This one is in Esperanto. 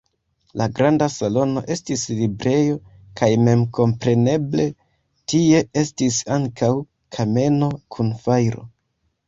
La granda salono estis librejo kaj memkompreneble tie estis ankaŭ kameno kun fajro.